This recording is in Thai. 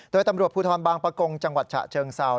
โดยตำรวจภูทรบางประกงจังหวัดฉะเชิงเซา